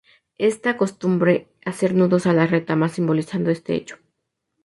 Es costumbre hacer nudos a las retamas simbolizando este hecho.